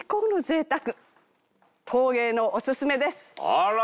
あら！